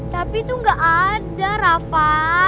tapi tuh gak ada rafa